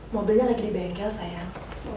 mobilnya lagi di bengkel sayang